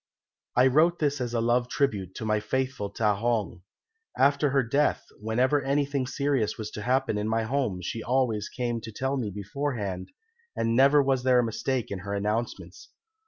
"I wrote this as a love tribute to my faithful Ta hong. After her death, whenever anything serious was to happen in my home, she always came to tell me beforehand, and never was there a mistake in her announcements.